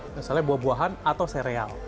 misalnya buah buahan atau sereal